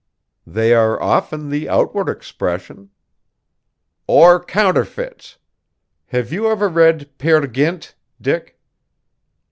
"They are often the outward expression." "Or counterfeits. Have you ever read 'Peer Gynt,' Dick?"